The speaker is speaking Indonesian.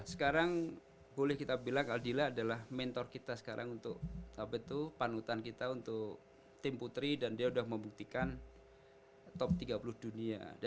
sekarang boleh kita bilang aldila adalah mentor kita sekarang untuk panutan kita untuk tim putri dan dia sudah membuktikan top tiga puluh dunia